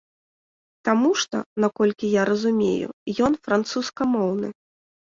Таму што, наколькі я разумею, ён французскамоўны.